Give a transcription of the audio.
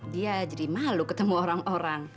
dia jadi malu ketemu orang orang